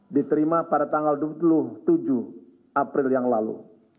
diterima pada tanggal dua puluh tujuh april yang lalu